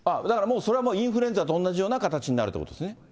だからもう、それはインフルエンザと同じような形になるといそうですね。